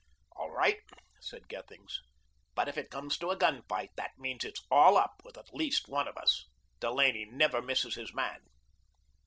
"All right," said Gethings. "But if it comes to a gun fight, that means it's all up with at least one of us. Delaney never misses his man."